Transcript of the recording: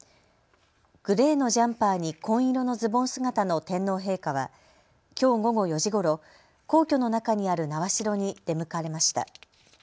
グレーのジャンパーに紺色のズボン姿の天皇陛下はきょう午後４時ごろ、皇居の中にある苗代に出向かれました。